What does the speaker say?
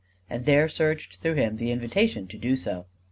and there surged through him the invitation to do so.